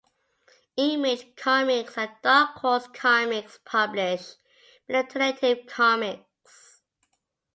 Image Comics and Dark Horse Comics publish many alternative comics.